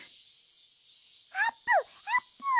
あーぷんあーぷん！